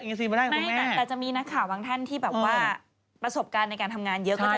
เย็นชื่อใหม่ก็จะเป็นอีกแบบนึง